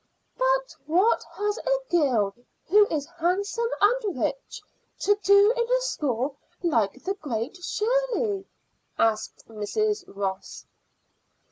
"But what has a girl who is handsome and rich to do in a school like the Great Shirley?" asked Mrs. Ross.